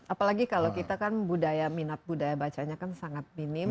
apalagi kalau kita kan budaya minat budaya bacanya kan sangat minim